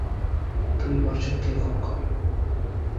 তুই অর্জুনকে খুন কর।